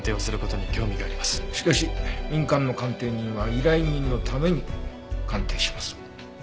しかし民間の鑑定人は依頼人のために鑑定します。